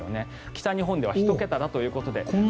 北日本では１桁ということで。